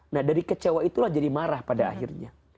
nah dari kecewa itulah jadi marah pada akhirnya